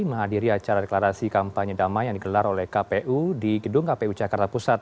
menghadiri acara deklarasi kampanye damai yang digelar oleh kpu di gedung kpu jakarta pusat